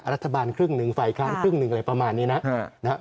รัฐบาลครึ่งหนึ่งฝ่ายค้านครึ่งหนึ่งอะไรประมาณนี้นะครับ